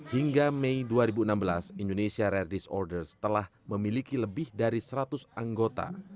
hingga mei dua ribu enam belas indonesia rare disorders telah memiliki lebih dari seratus anggota